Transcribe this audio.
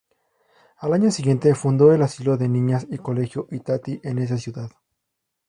Al año siguiente fundó el Asilo de Niñas y Colegio Itatí en esa ciudad.